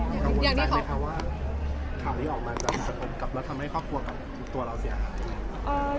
คุณสนใจไหมคะว่าข่าวที่ออกมาจำเป็นคนกลับแล้วทำให้ครอบครัวตัวเราเสียหาย